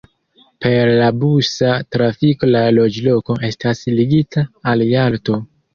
Per la busa trafiko la loĝloko estas ligita al Jalto.